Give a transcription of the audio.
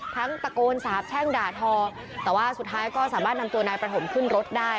ตะโกนสาบแช่งด่าทอแต่ว่าสุดท้ายก็สามารถนำตัวนายประถมขึ้นรถได้